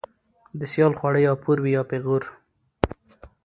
ـ د سيال خواړه يا پور وي يا پېغور.